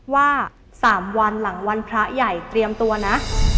ว่า๓วันหลังวันพระใหญ่เตรียมตัวนะ